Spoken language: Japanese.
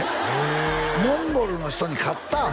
モンゴルの人に勝った！？